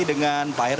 dengan pak her